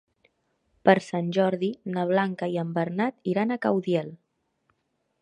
Per Sant Jordi na Blanca i en Bernat iran a Caudiel.